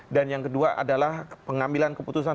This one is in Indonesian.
dan yang kedua adalah pengambilan keputusan